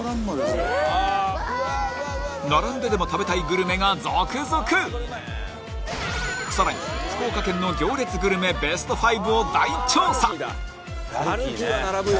すごい並んででも食べたいグルメが続々さらに福岡県の行列グルメベスト５を大調査らる